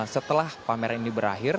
setelah pameran ini berakhir